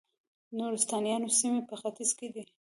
د نورستانیانو سیمې په ختیځ کې دي